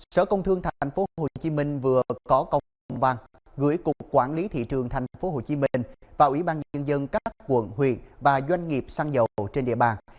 sở công thương tp hcm vừa có công văn gửi cục quản lý thị trường tp hcm và ủy ban nhân dân các quận huyện và doanh nghiệp xăng dầu trên địa bàn